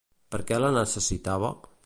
Per què la necessitava?